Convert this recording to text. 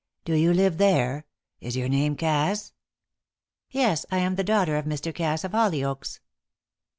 "Do you live there? Is your name Cass?" "Yes; I am the daughter of Mr. Cass, of Hollyoaks."